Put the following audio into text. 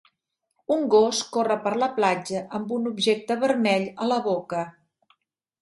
Un gos corre per la platja amb un objecte vermell a la boca.